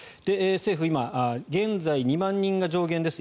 政府、今現在２万人が上限です。